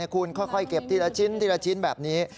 คุณค่อยเก็บทีละชิ้นทีละชิ้นแบบนี้